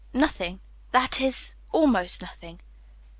"Nothing; that is almost nothing."